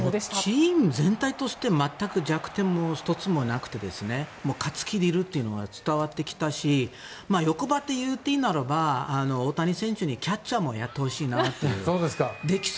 チーム全体として全く、弱点も１つもなくて勝つ気でいるというのが伝わってきたし欲張って言っていいならば大谷選手にキャッチャーもやってほしいなっていう。